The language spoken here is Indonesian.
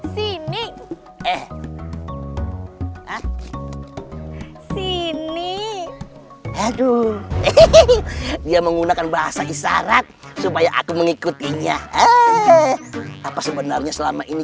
sini kini haduh ih dia menggunakan bahasa isyarat supaya aku mengikutinya eh apa sebenarnya selama ini